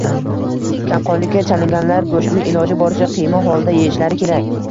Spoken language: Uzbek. Kamqonlikka chalinganlar go‘shtni iloji boricha qiyma holida yeyishlari kerak.